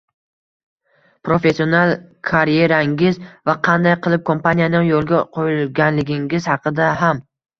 professional karyerangiz va qanday qilib kompaniyani yoʻlga qoʻyganligingiz haqida ham.